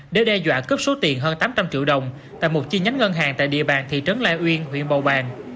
để đe dọa cướp số tiền hơn tám trăm linh triệu đồng tại một chi nhánh ngân hàng tại địa bàn thị trấn lai uyên huyện bầu bàng